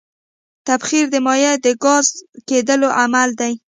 تبخیر د مایع د ګاز کېدو عمل دی.